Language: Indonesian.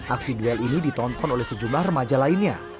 aksi duel ini ditonton oleh sejumlah remaja lainnya